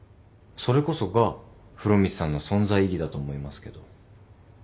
それこそが風呂光さんの存在意義だと思いますけど。